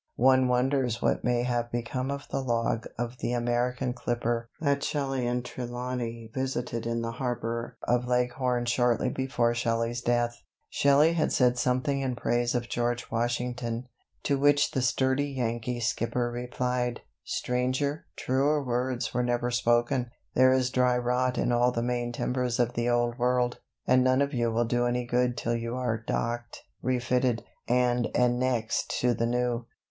One wonders what may have become of the log of the American clipper that Shelley and Trelawny visited in the harbour of Leghorn shortly before Shelley's death. Shelley had said something in praise of George Washington, to which the sturdy Yankee skipper replied: "Stranger, truer words were never spoken; there is dry rot in all the main timbers of the Old World, and none of you will do any good till you are docked, refitted, and annexed to the New.